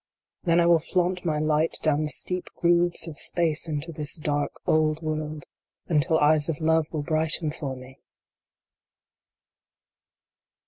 Then I will flaunt my light down the steep grooves of space into this dark, old world, until Eyes of Love will brighten for me